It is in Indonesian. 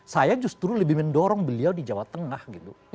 saya justru lebih mendorong beliau di jawa tengah gitu